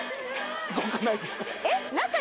すごくないですか？